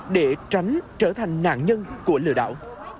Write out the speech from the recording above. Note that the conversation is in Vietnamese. để tránh trở thành nạn nhân của lừa đảo